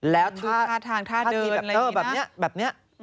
ดูท่าทางท่าเดินแบบนี้